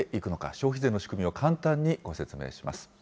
消費税の仕組みを簡単にご説明します。